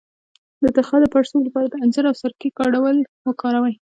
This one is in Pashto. د تخه د پړسوب لپاره د انځر او سرکې ګډول وکاروئ